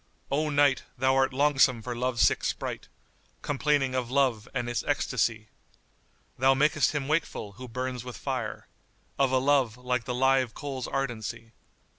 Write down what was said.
O night, thou art longsome for love sick sprite * Complaining of Love and its ecstasy: Thou makest him wakeful, who burns with fire * Of a love, like the live coal's ardency.